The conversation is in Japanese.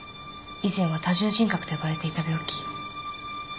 以前は多重人格と呼ばれていた病気。